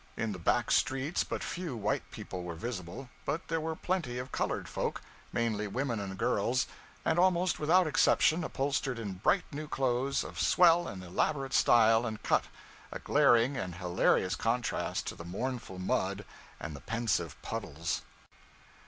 In the back streets but few white people were visible, but there were plenty of colored folk mainly women and girls; and almost without exception upholstered in bright new clothes of swell and elaborate style and cut a glaring and hilarious contrast to the mournful mud and the pensive puddles.